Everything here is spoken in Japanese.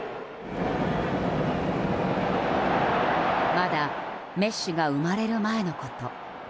まだメッシが生まれる前のこと。